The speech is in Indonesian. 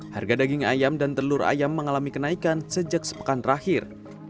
harga daging ayam dan telur ayam mengalami kenaikan sejak sepekan terakhir